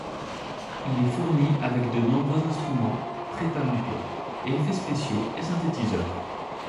Il est fourni avec de nombreux instruments prêts à l'emploi, effets spéciaux et synthétiseurs.